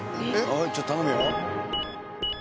ちょっと頼むよ。